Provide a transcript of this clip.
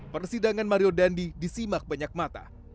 persidangan mario dandi disimak banyak mata